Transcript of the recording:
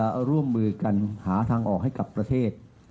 และร่วมมือกันหาทางออกให้กับประเทศ